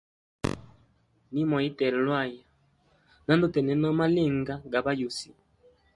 Nimwa itela lwaya, na ndutenena malingi ga ba yusi.